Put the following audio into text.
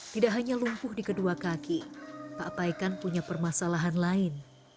tidak hanya lumpuh di kedua kaki pak paikan punya permasalahan lain